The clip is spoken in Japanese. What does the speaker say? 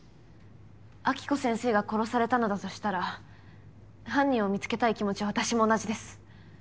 暁子先生が殺されたのだとしたら犯人を見つけたい気持ちは私も同じです。